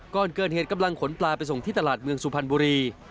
ก่อนเกิดเหตุกำลังขนปลาไปส่งที่ตลาดเมืองสุพรรณบุรี